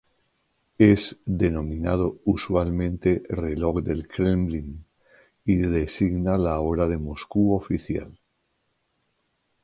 Es denominado usualmente Reloj del Kremlin y designa la hora de Moscú oficial.